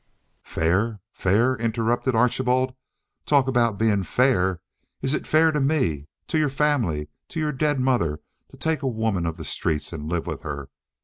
"Fair! Fair!" interrupted Archibald. "Talk about being fair. Is it fair to me, to your family, to your dead mother to take a woman of the streets and live with her?